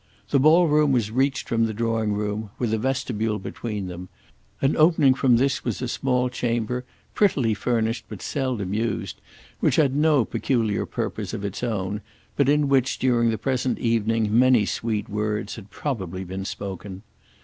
The ball room was reached from the drawing room, with a vestibule between them, and opening from this was a small chamber, prettily furnished but seldom used, which had no peculiar purpose of its own, but in which during the present evening many sweet words had probably been spoken.